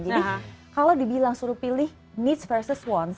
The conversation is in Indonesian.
jadi kalau dibilang suruh pilih needs versus wants